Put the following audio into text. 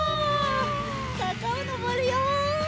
さかをのぼるよ。